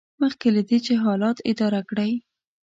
مخکې له دې چې حالات اداره کړئ.